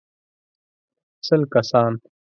سل کسان.